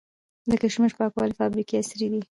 د کشمش پاکولو فابریکې عصري دي؟